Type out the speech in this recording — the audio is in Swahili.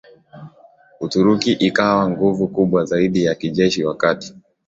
Uturuki ikawa nguvu kubwa zaidi ya kijeshi wakati